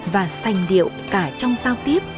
và sành điệu cả trong giao tiếp